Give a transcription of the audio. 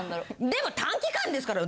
でも短期間ですから。